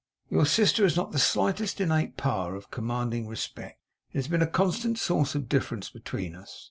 Your sister has not the slightest innate power of commanding respect. It has been a constant source of difference between us.